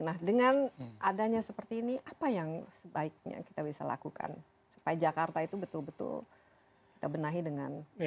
nah dengan adanya seperti ini apa yang sebaiknya kita bisa lakukan supaya jakarta itu betul betul kita benahi dengan baik